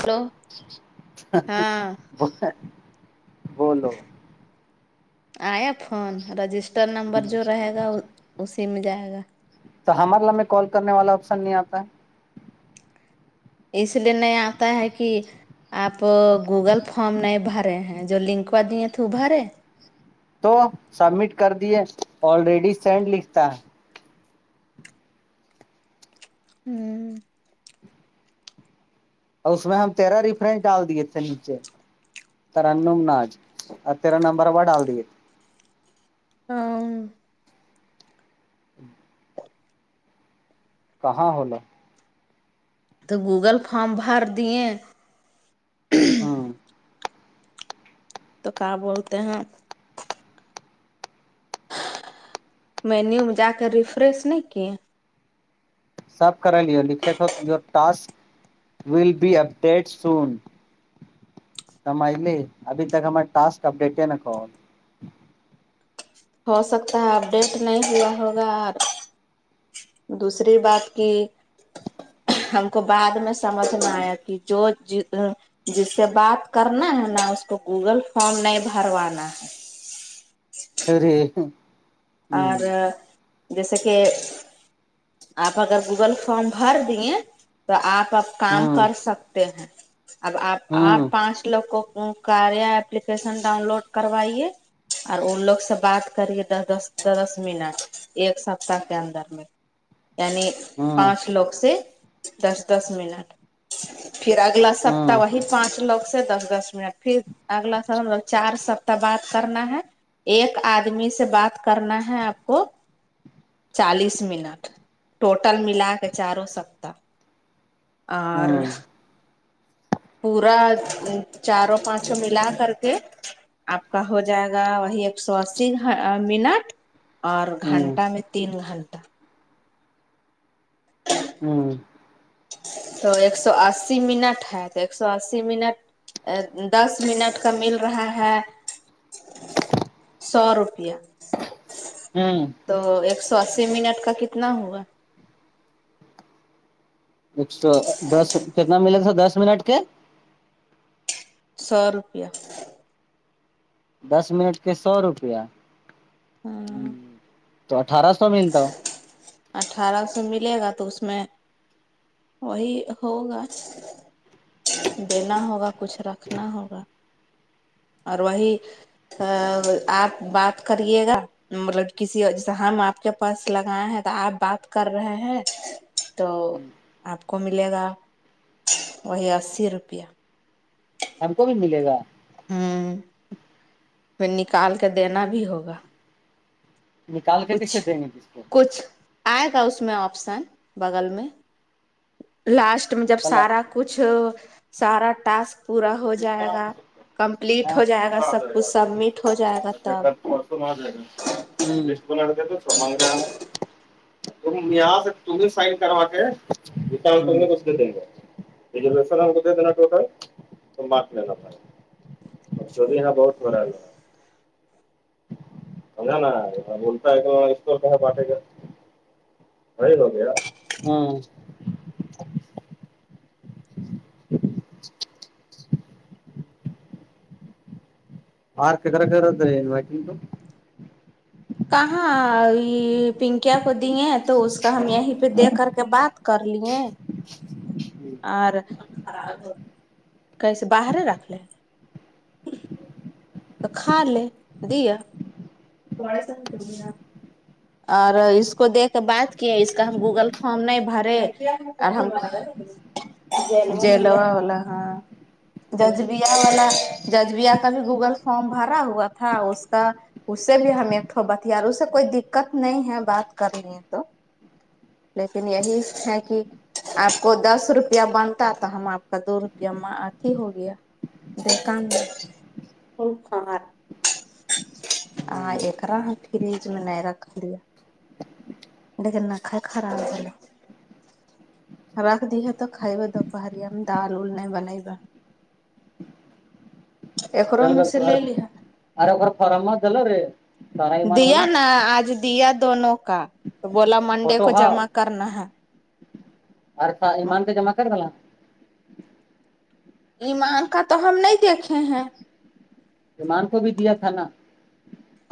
hello ہاں بولو آیا فون رجسٹر نمبر جو رہے گا اسی میں جائے گا تو ہمار نمبر میں کال کرنے والا آپشن نہیں آتا ہے اس لیے نہیں آتا ہے کہ آپ گوگل فارم نہیں بھرے ہیں جو لنک ہوا دیے تھے وہ بھرے تو سبمٹ کر دیے آلریڈی سینڈ لکھتا ہے ہوں اور اس میں ہم تیرا رفریرنس ڈال دیے تھے نیچے ترنم ناج اور تیرا نمبر و ڈال دیے ہاں ہوں کہاں ہولاو تو گوگل فارم بھر دیں ہاں تو کیا بولتے ہیں مینیو میں جا کر ریفریش نہیں کیے سب کر لے لکھے تھے task will be update soon کمائی لے ابھی تک ہم ٹاسک اپڈیٹ نہ کو ہو سکتا ہے اپڈیٹ نہیں ہوا ہوگا اور دوسرے بات کی ہم کو بعد میں سمجھنا آیا کہ جو جی جس سے بات کرنا ہے نہ اس کو گوگل فارم نہیں بھروانا ہے [unintelligible] اور ہ جیسے کہ آپ اگر گوگل فارم بھر دیے تو آپ تو اب کام ہ کر سکتے ہیں اب آپ اور ہ پانچ لوگ کو کاریہ ایپلیکیشن ڈاؤن لوڈ کروائیے اور ان لوگ سے بات کرے دس دس دس منٹ ایک سپتہ کے اندر میں یعنی ہ پانچ لوگ سے دس دس منٹ پھر اگلا سپتاہ ہ وہی پانچ لوگ سے دس دس منٹ پھر اگلا سو چار سپ بات کرنا ہے ایک آدمی سے بات کرنا ہے آپ کو چالیس منٹ ٹوٹل ملا کے چاروں سپتاہ آور پورا چاروں پانچوں ملا کر کے آپ کا ہو جائے گا وہی ایک سو اسی منٹ اور گھنٹہ ہ میں تین گھنٹہ ہوں تو ایک سو اسی منٹ ہے تو ایک سو اسی منٹ ا دس منٹ کا مل رہا ہے سو روپیہ ہوں تو ایک سو اسی منٹ کا کتنا ہوا ایک سو دس کتنا ملے گا سر دس منٹ کے سو روپیہ دس منٹ کے سو روپیہ ہ ہمم تو اٹھارہ سو ملتا ہے اٹھارہ سو ملے گا تو اس میں وہی ہوگا دینا ہوگا کچھ رکھنا ہوگا اور وہی آپ بات کریے گا مطلب کسی جیسے ہم آپ آپ کے پاس لگائے ہیں تو آپ بات کر رہے ہیں تو آپ کو ملے گا وہی اسی روپیہ ہم کو بھی ملے گا ہاں میں نکال کے دینا بھی ہوگا نکال کے کچھ کسے دیں گے کس کو کچھ آئے گا اس میں آپشن بغل میں لاسٹ میں جب کل سارا کچھ سارا ٹاسک پورا ہو جائے گا کمپلیٹ ہو جائے گا سب کچھ سبمٹ ہو جائے گا تب [unintelligible] یہاں سے تم سائن کروا کے [inaudible] کر اسھے دیں گے سلام کوت دنا ٹوٹل [unintelligible] تو ماپ لینا پڑا اور شور یہ بہت مرلا ہے سمجھا نا بولتا ہے تو اس طور کہ بانٹے گا [unintelligible] ہاں [unintelligible] کہاں یی پنکیا کو دیے تو اس کا ہم یہیں پہ دیکھ کر کے بات کر لیے ہیں جی اور کہ سے باہر ہی رکھ لے تو کھا لے دیا اور اس کو دیک کے بات کیا اس کا ہم گوگل فارم نہیں بھرے اور ہم جیلوا ہولا ہاں ججبیا والا ججبیا کا بھی گوگل فارم بھرا ہوا تھا اس کا اس سے بھی ہمیں بتار اس سے کوئی دقت نہیں ہے بات کرنی تو لیکن یہی ہے کہ آپ کو دس روپیہ بنتا تو ہم آپ کا دو روپیہ ماھی ہو گیا شیطان اور فھار ہاں ایکرا ہ فریج میں نہیں رکھ دیا لیکن نخرے خراب ہے رکھ دی تو کھائی دوپہریا میں دال وال نہیں بنبا اکڑو میں سے لے لی ہے آر ار فرم مت دل رے سارا ایمان دیا والا نا آج دیا دونوں کا تو بولا منڈے فوٹو کو ہ جمع کرنا ہے آرتھر ایمان سے جمع کر بلا ایمان کا تو ہم نہیں دیکھے ہیں ایمان کو بھی دیا تھا نا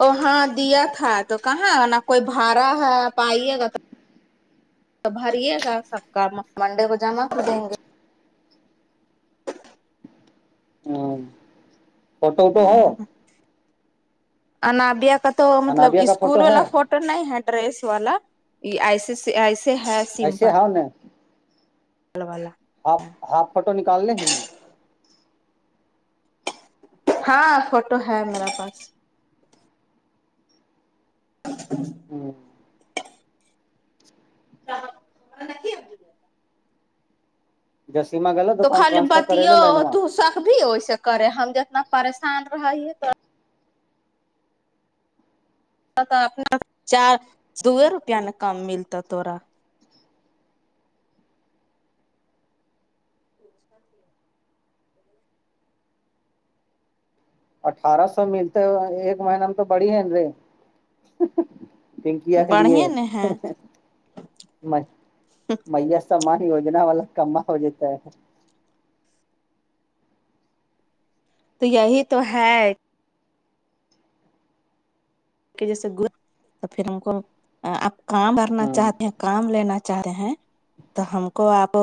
ا ہاں دیا تھا تو کہاں نا کوئی بھڑا ہے پائیے گا تو بھریے گا سب کا منڈے کو جمع کر دیں گے ہ فوٹو ووٹوں ہے ہ انابیہ کا تو مطلب انابیا کا فوٹو اسکول ہے والا فوٹو نہیں ہے ڈریس والا ایسے ایسے ہے ایسے اون ہے ل والا ہاف ہاف فوٹو نکالنے ہیں نا ہاں فوٹو ہے میرا پاس ہ [inaudible] ہوں کیا غلطی ہو گئی جسیما گلت تو خالی بتیو تو سکب بھی ویسے کرے ہم جتنا پریشان رہیے اپنا چار دو روپیہ نہ کم ملتا تھوڑا اٹھارہ سو ملتے ایک مہینہ میں تو بڑی ہے ن رے پنکیا کے لیے بڑھیا ن ھھ ہے میں میا سامان یوجنا والا کما ہو جاتتا ہے تو یہی تو ہے کہ جیسے گ [inaudible] تو پھر ہم کو آپ کام بھرنا ہے چاہتے ہیں کام لینا چاہ رہے ہیں تو ہم کو آپ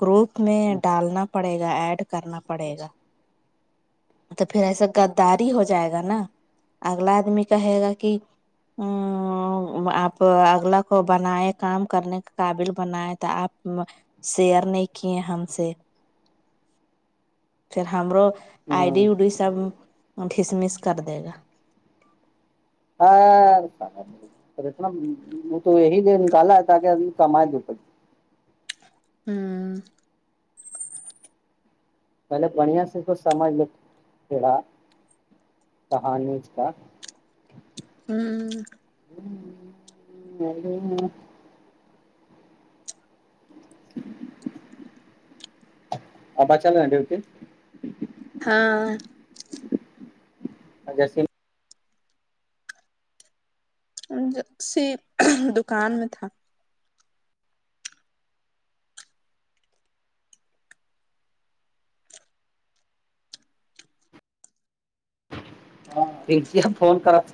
گروپ میں ڈالنا پڑے گا ایڈ کرنا پڑے گا تو پھر ایسا غداری ہو جائے گا نا اگلا آدمی کہے گا کہ ا آپ اگلا کو بنائے کام کرنے کے قابل بنائے تو آپ شئر نہیں کیے ہم سے پھر ہمرو ہ آئی ہ ڈی وی ڈی سب ڈسمس کر دے گا ہاں اتنا وہ تو یہی د نکالا ہے تاکہ آ کمائے دو ہوں پہلے بڑھیا سے کچھ سمجھ لو کہانی اس کا ہممم [unintelligible] ابا چلے ڈیوٹی ہاں جسی جسی دکان میں تھا ہاں اے ٹی ایم فون کرتھ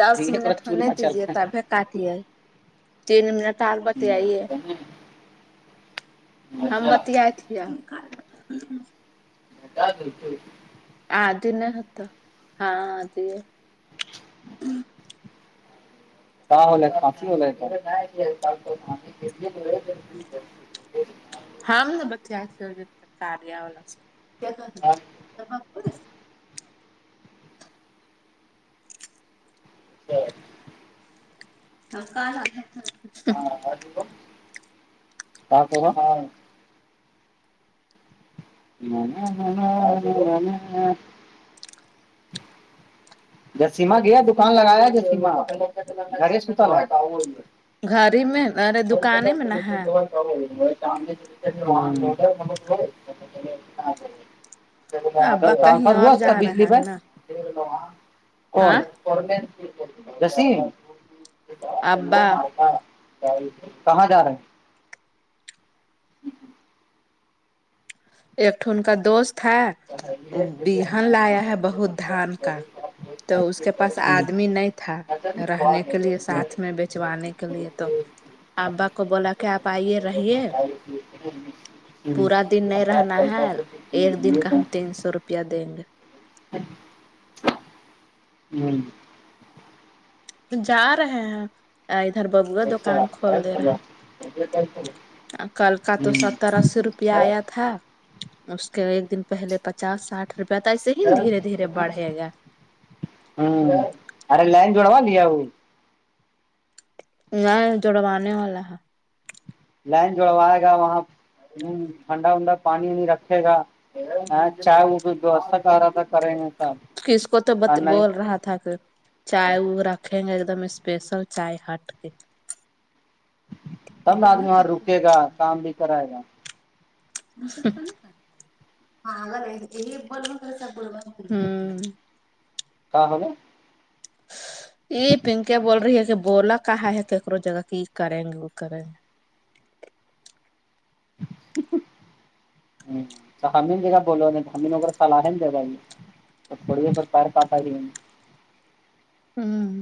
دس منٹ چول ہونے میں چل دیجے کا تب کاٹیے تین منٹ اور بتیائیے ہم بتیائے تھے مٹا دیتے آتی نہیں تھا ہاں آتی ہے [unintelligible] ہاں ہم بتیائے تھے کاریہ والوں سے [unintelligible] [unintelligible] [unintelligible] ہاں [unintelligible] ہاں [unintelligible] جسیما گیا دکان لگایا جسیما گریش بھی [unintelligible] گھر ہی میں ارے دکان میں نا ہے تو [unintelligible] ٹرانسفر ہوا اس کا بجلی پر کون جسی کہاں جا رہے ایک ان کا دوست ہے بہن لایا ہے بہت دان کا تو اس کے پاس آدمی نہیں تھا رہنے کے لیے ساتھ میں بیچوانے کے لیے تو ابا کو بولا کہ آپ آئیے رہیے ہوں پورا دن رہنا ہے ایک دن کا ہم تین سو روپیہ دیں گے ہممم جا رہے ہیں ادھر ببوا دکان کھول دے رہا کل کا تو ہوں ستر اسی روپ پیہ آیا تھا اس کے ایک دن پہلے پچاس ساٹھ پتا ایسے ہی دھیرے دھیرے بڑھے گا ہوں ارے لائن جوڑوا دیا وہ نہیں جڑوانے والا ہے لائن جوڑوائے گا وہاں ٹھنڈا ونڈا پانی وانی رکھے گا ہاں چائے وہ بھی وستھا کر رہا تھا کریں میں کس کو توبت بول رہا تھا کہ چائے وہ رکھیں ہیں ایک دم اسپیشل چائے ہٹ کے تب نا آدمی وہاں رکے گا کام بھی کرائے گا ہوں کیا ہوگیا یہ پنکی بول رہی ہے کہ بولا کہاں ہے کیکرو جگہ کی کریں گے وہ کریں تو ہمیں جگا بولو نہیں ہمیں وغیرہ فلاح بائی [unintelligible] ے تھوڑیے بت پیر پاتٹا رہی ہوں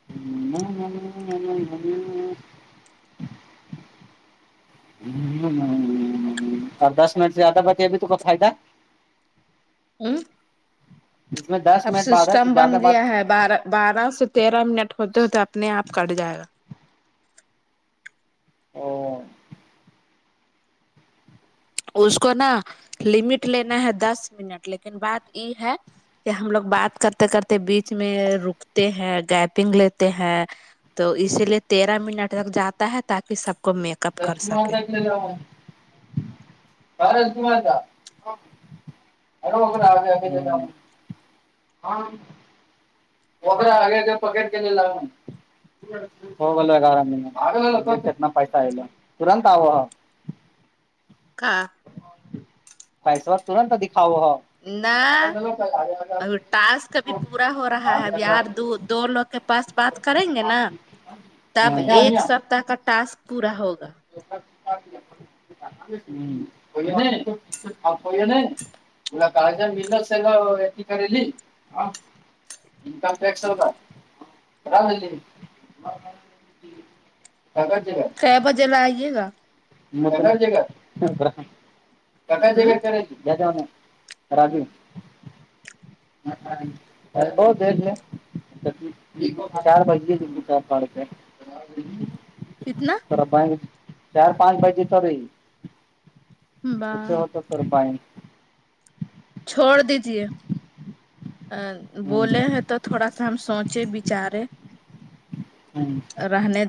[unintelligible] اور دس منٹ سے زیادہ بتیہ ہے گا تو کوئی فائدہ ہوں اس میں دس اب منٹ بعد سسٹم بن زیادہ گیا ہے بارہ بارہ سے تیرہ منٹ ہوتے ہوتے اپنے آپ کٹ جائے گا او اس کو نا لمٹ لینا ہے دس منٹ لیکن بات یہ ہے کہ ہم لوگ بات کرتے کرتے بیچ میں رکتے ہیں گیپنگ لیتے ہیں تو اسی لیے تیرہ منٹ تک جاتا ہے تاکہ سب کو میک [unintelligible] اپ کر سکے ارو اغگر آگے آگے جتا ہوں ہاں وغیرہ آگے کے پاکٹ کے لیے لگائے ہیں ہوگل آام دنتنا پائسا آل تورنت آ [unintelligible] کھا پیسہ تورنت دکھاؤ ھو نہ اب ٹاسک ابھی پورا ہو رہا ہے اب یار دو دو لوگ کے پاس بات کریں گے نا تب ایک سپتہ کا ٹاسک پورا ہوگا تو کو [unintelligible] ملا کا جن مل س نا یہتی کریلی ہاں انکم ٹیکس ہو گا [unintelligible] چھ بجے لائیے گا کا جگا کٹا ہ جگا کرا ججا میں راجو ہ بہت دیر سے [unintelligible] چار بجے چار پڑ پ کتنا سرا ب چار پانچ بجے تھ رہی کسے بات ہوتا سر بائنک چھوڑ دیجے ا بولے ہیں تو تھوڑا سا ہم سوچے بچارے [inaudible] رہنے